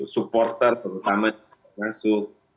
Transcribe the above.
supporter terutama termasuk